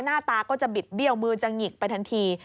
หน้าตาก็จะบิดเบี้ยวมือจะหงิกไปทันที